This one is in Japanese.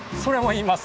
言います？